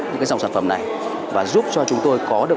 những cái dòng sản phẩm này và giúp cho chúng tôi có được